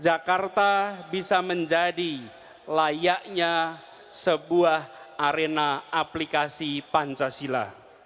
jakarta bisa menjadi layaknya sebuah arena aplikasi pancasila